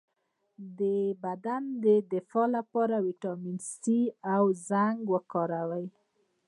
د بدن د دفاع لپاره ویټامین سي او زنک وکاروئ